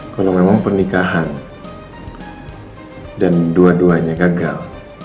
kalau memang pernikahan dan dua duanya gagal